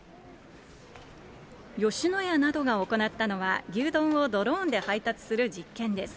吉野家などが行ったのは、牛丼をドローンで配達する実験です。